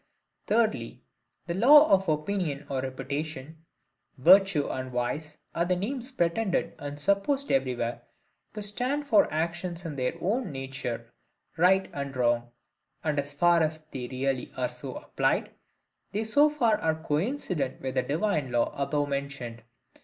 Thirdly, the LAW OF OPINION OR REPUTATION. Virtue and vice are names pretended and supposed everywhere to stand for actions in their own nature right and wrong: and as far as they really are so applied, they so far are coincident with the divine law above mentioned.